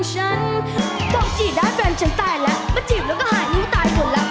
โทรก็ไม่รับโทรกลับก็ไม่โทร